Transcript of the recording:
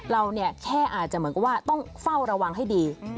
เราเนี่ยแค่อาจจะเหมือนกับว่าต้องเฝ้าระวังให้ดี